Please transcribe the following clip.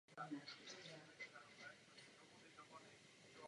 Šest z nich se ve skutečnosti nese ve stejném duchu.